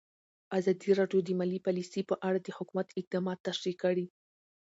ازادي راډیو د مالي پالیسي په اړه د حکومت اقدامات تشریح کړي.